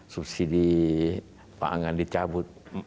subsidi pangan dicabut